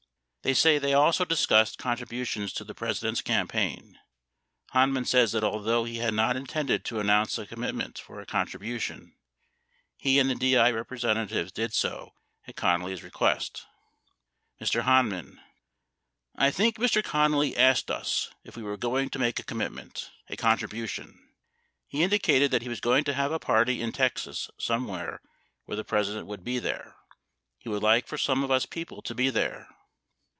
65 They say they also discussed contributions to the President's campaign. Hanman says that although he had not intended to announce a commit ment for a contribution, he and the DI representatives did so at Con nally's request : Mr. Hanman. ... I think Mr. Connally asked us if we were going to make a commitment, a contribution. He indi cated that he was going to have a party in Texas somewhere where the President would be there. He would like for some of us people to be there.